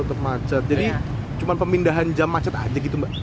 untuk macet jadi cuma pemindahan jam macet aja gitu mbak